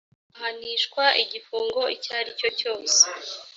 ahanishwa igifungo icyo aricyo cyose